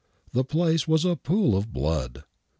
The place was a pool of blood.